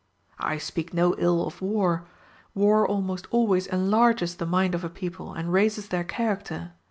I speak no ill of war: war almost always enlarges the mind of a people, and raises their character.